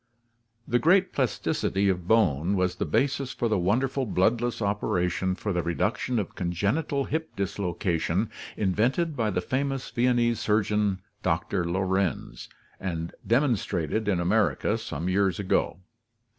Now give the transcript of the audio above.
The great plasticity of bone was the basis for the wonderful bloodless operation for the reduction of congenital hip dislocation invented by the famous Viennese surgeon, Doctor Lorenz, and demonstrated in America some years ago.